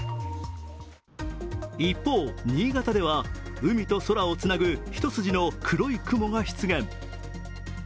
一方、新潟では海と空をつなぐ一筋の黒い雲が出現。